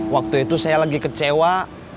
waktu itu saya lagi kecewa